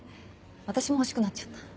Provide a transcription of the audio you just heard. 私も欲しくなっちゃった。